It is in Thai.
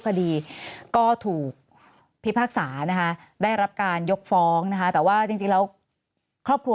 คดีก็ถูกพิพากษานะคะได้รับการยกฟ้องนะคะแต่ว่าจริงแล้วครอบครัว